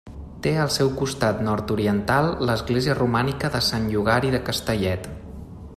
Té al seu costat nord-oriental l'església romànica de Sant Llogari de Castellet.